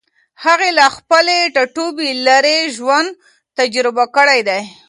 هغې له خپل ټاټوبي لېرې ژوند تجربه کړی دی.